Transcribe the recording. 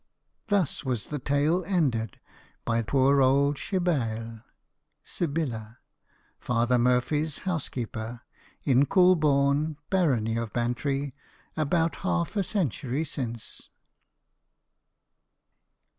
Thus was the tale ended by poor old Shebale (Sybilla), Father Murphy's housekeeper, in Coolbawn, Barony of Bantry, about half a century since.